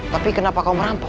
tapi kenapa kau merampok